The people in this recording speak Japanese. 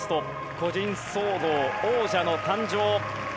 個人総合王者の誕生！